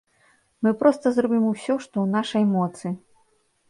Мы проста зробім усё, што ў нашай моцы.